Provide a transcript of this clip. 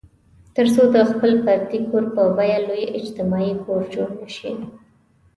تر څو د خپل فردي کور په بیه لوی اجتماعي کور جوړ نه شي.